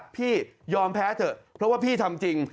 พี่ยอมแพ้เถอะเพราะว่าพี่ทำจริง